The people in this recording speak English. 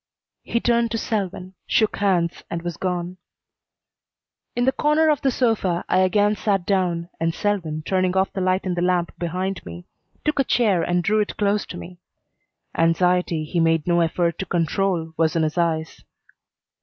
He turned to Selwyn, shook hands, and was gone. In the corner of the sofa I again sat down, and Selwyn, turning off the light in the lamp behind me, took a chair and drew it close to me. Anxiety he made no effort to control was in his eyes.